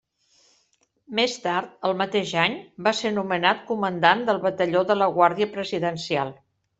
Més tard, el mateix any, va ser nomenat comandant del Batalló de la Guàrdia Presidencial.